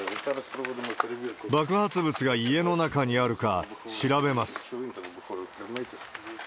爆発物が家の中にあるか調べます。